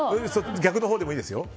逆のほうでもいいですよ。